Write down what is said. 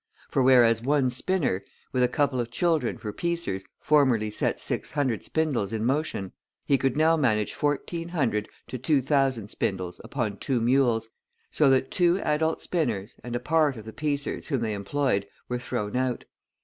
For, whereas one spinner, with a couple of children for piecers, formerly set six hundred spindles in motion, he could now manage fourteen hundred to two thousand spindles upon two mules, so that two adult spinners and a part of the piecers whom they employed were thrown out.